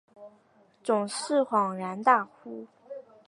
总是恍然大悟